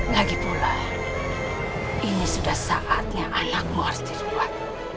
lagipula ini sudah saatnya anakmu harus diruat